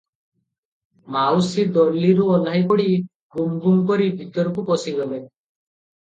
ମାଉସୀ ଡୋଲିରୁ ଓହ୍ଲାଇ ପଡ଼ି ଗୁମ୍ ଗୁମ୍ କରି ଭିତରକୁ ପଶିଗଲେ ।